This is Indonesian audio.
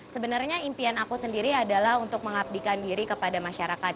sebenarnya impian aku sendiri adalah untuk mengabdikan diri kepada masyarakat